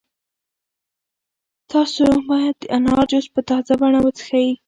تاسو باید د انار جوس په تازه بڼه وڅښئ.